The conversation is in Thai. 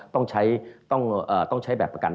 ต้องใช้แบบประกัน